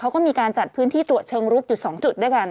เขาก็มีการจัดพื้นที่ตรวจเชิงลุกอยู่๒จุดด้วยกัน